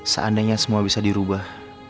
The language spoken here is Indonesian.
seandainya semua bisa dirubah